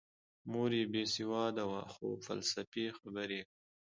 مور یې بې سواده وه خو فلسفي خبرې یې کولې